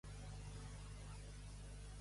Les patates fan tornar sord.